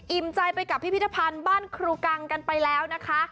ใจไปกับพิพิธภัณฑ์บ้านครูกังกันไปแล้วนะคะ